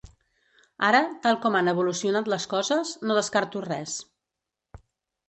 Ara, tal com han evolucionat les coses, no descarto res.